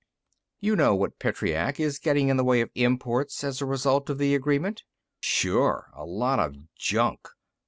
"You know what Petreac is getting in the way of imports as a result of the agreement?" "Sure. A lot of junk."